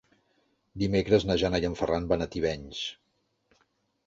Dimecres na Jana i en Ferran van a Tivenys.